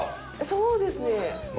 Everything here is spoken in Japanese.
そうですね。